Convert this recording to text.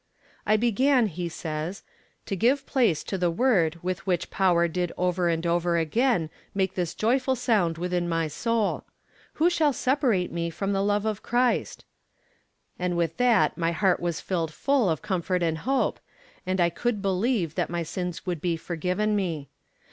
'I began,' he says, 'to give place to the word which with power did over and over again make this joyful sound within my soul: "Who shall separate me from the love of Christ?" And with that my heart was filled full of comfort and hope, and I could believe that my sins would be forgiven me.